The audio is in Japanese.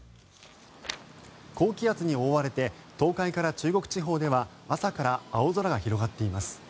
高気圧に覆われて東海から中国地方では朝から青空が広がっています。